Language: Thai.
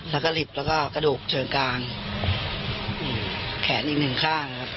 แล้วก็หลิบแล้วก็กระดูกเชิงกลางแขนอีกหนึ่งข้างครับ